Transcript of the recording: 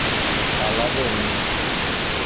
Alagoinhas